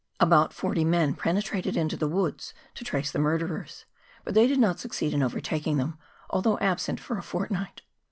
About forty men penetrated into the woods to trace the murderers, but they did not succeed in overtaking them, although absent for a fortnight.